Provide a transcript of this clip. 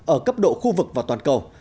ở cấp độ khu vực và toàn cầu